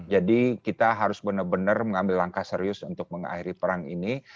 jadi kita harus benar benar mengambil langkah serius untuk mengakhiri perang ini